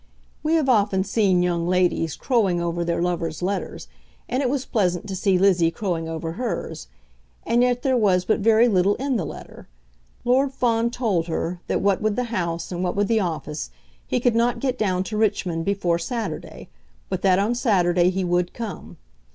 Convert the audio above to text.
We have often seen young ladies crowing over their lovers' letters, and it was pleasant to see Lizzie crowing over hers. And yet there was but very little in the letter. Lord Fawn told her that what with the House and what with the Office, he could not get down to Richmond before Saturday; but that on Saturday he would come.